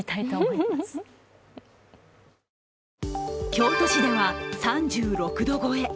京都市では３６度超え。